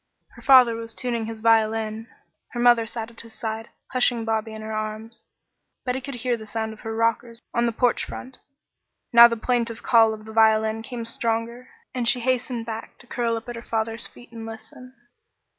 Her father was tuning his violin. Her mother sat at his side, hushing Bobby in her arms. Betty could hear the sound of her rockers on the porch floor. Now the plaintive call of the violin came stronger, and she hastened back to curl up at her father's feet and listen.